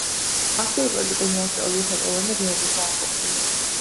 აქტიური პოლიტიკური მოღვაწეობის დაწყებამდე ბერად იყო აღკვეცილი.